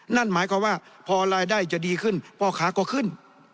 นั่นหมายความว่าพอรายได้จะดีขึ้นพ่อค้าก็ขึ้น